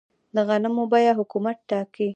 د غنمو بیه حکومت ټاکي؟